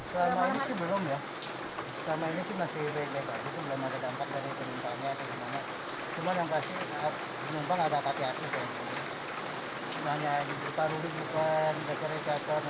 selama ini belum ya selama ini masih reda belum ada dampak dari penumpangnya